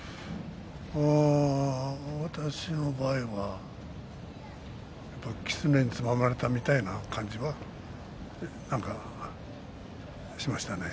私の場合はきつねにつままれたみたいな感じはしましたね。